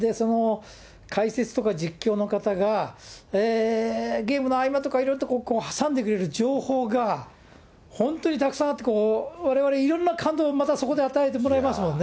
解説とか実況の方が、ゲームの合間とかいろいろと挟んでくれる情報が、本当にたくさんあって、われわれ、いろんな感動をまたそこで与えてもらえますもんね。